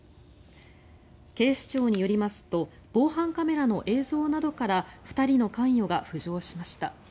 警視庁によりますと防犯カメラの映像などから２人の関与が浮上しました。